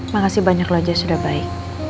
makasih banyaklah jess udah baik